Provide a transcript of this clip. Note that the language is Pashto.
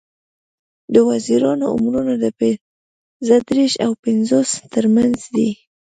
د وزیرانو عمرونه د پینځه دیرش او پینځوس تر منځ دي.